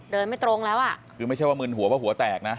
ไม่ตรงแล้วอ่ะคือไม่ใช่ว่ามึนหัวว่าหัวแตกนะ